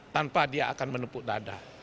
tanpa dia akan menepuk dada